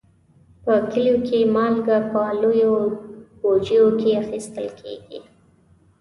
په کلیو کې مالګه په لویو بوجیو کې اخیستل کېږي.